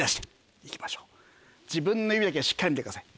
自分の指だけをしっかり見てください。